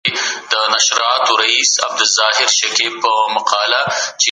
څوک ستاسو وروستي پیغامونه ولوستل؟